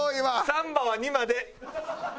サンバは２まで。